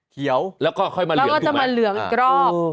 เขียวแล้วก็ค่อยมาเหลืองอีกรอบ